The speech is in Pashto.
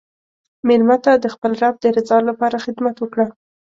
مېلمه ته د خپل رب د رضا لپاره خدمت وکړه.